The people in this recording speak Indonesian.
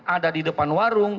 ada di depan warung